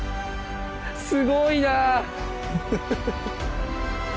すごいな。